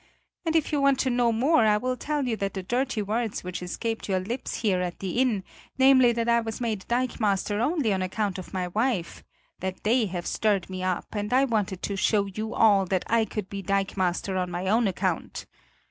And if you want to know more I will tell you that the dirty words which escaped your lips here at the inn, namely that I was made dikemaster only on account of my wife that they have stirred me up and I wanted to show you all that I could be dikemaster on my own account.